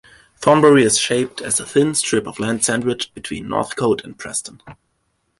Thornbury is shaped as a thin strip of land sandwiched between Northcote and Preston.